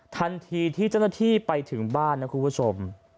ทันทีที่เจ้าหน้าที่ไปถึงบ้านนะคุณผู้ชม